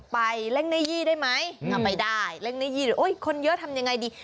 ไปเล่งในยี่ได้ไหมไม่ไปได้เล่งในยี่หรือคนเยอะทำยังไงดี